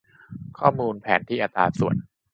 ข้อมูลแผนที่อัตราส่วน